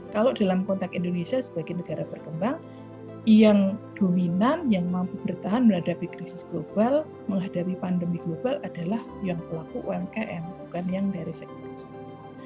kalau dalam konteks indonesia sebagai negara berkembang yang dominan yang mampu bertahan menghadapi krisis global menghadapi pandemi global adalah yang pelaku umkm bukan yang dari sektor swasta